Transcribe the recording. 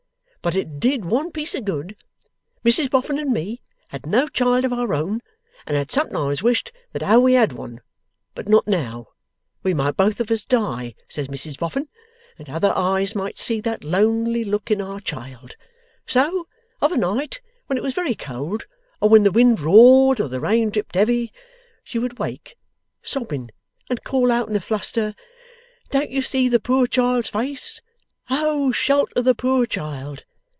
But it did one piece of good. Mrs Boffin and me had no child of our own, and had sometimes wished that how we had one. But not now. "We might both of us die," says Mrs Boffin, "and other eyes might see that lonely look in our child." So of a night, when it was very cold, or when the wind roared, or the rain dripped heavy, she would wake sobbing, and call out in a fluster, "Don't you see the poor child's face? O shelter the poor child!"